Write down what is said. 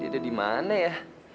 dia ada di mana ya